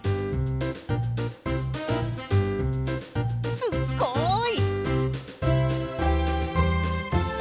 すっごい！